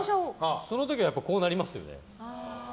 その時はこうなりますよね。